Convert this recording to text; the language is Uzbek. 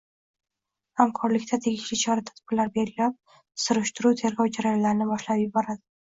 hamkorlikda tegishli chora-tadbirlar belgilab, surishtiruv-tergov jarayonlarini boshlab yuboradi.